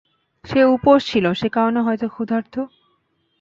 সে উপোস ছিল, সেকারণে হয়তো ক্ষুধার্ত।